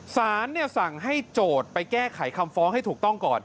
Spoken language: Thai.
สารสั่งให้โจทย์ไปแก้ไขคำฟ้องให้ถูกต้องก่อน